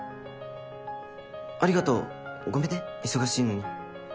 ありがとうごめんね忙しいのに。